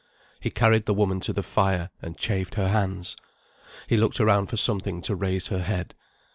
He carried the woman to the fire, and chafed her hands. He looked around for something to raise her head.